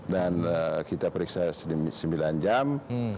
dan kita periksa sembilan jam